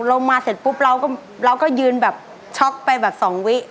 เรามาเสร็จปุ๊บเราก็เราก็ยืนแบบช็อคไปแบบสองวิ